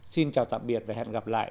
xin chào tạm biệt và hẹn gặp lại